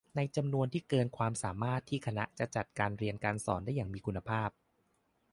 ในจำนวนที่เกินความสามารถที่คณะจะจัดการเรียนการสอนได้อย่างมีคุณภาพ